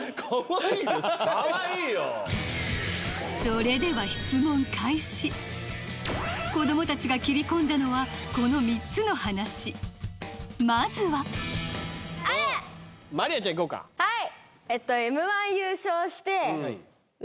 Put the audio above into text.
それではこどもたちが切り込んだのはこの３つの話まずははい。